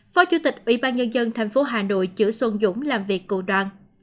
phó chủ tịch ủy ban nhân dân thành phố hà nội chữ xuân dũng làm việc cùng đoàn